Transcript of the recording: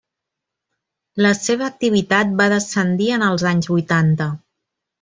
La seva activitat va descendir en els anys vuitanta.